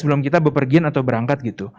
sebelum kita berpergian atau berangkat gitu